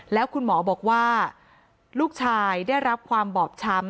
แล้วคุณหมอบอกว่าลูกชายได้รับความบอบช้ำ